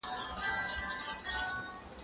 زه کولای سم ليکلي پاڼي ترتيب کړم